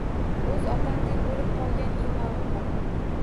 O’z otamdek bo’lib qolgan imonim bor.